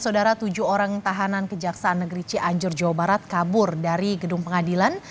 saudara tujuh orang tahanan kejaksaan negeri cianjur jawa barat kabur dari gedung pengadilan